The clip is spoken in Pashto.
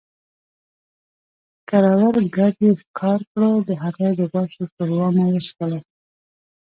ښکرور ګډ ئې ښکار کړو، د هغه د غوښې ښوروا مو وڅښله